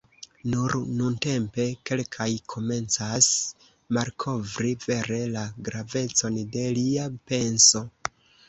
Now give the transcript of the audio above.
Nur nuntempe kelkaj komencas malkovri vere la gravecon de lia penso.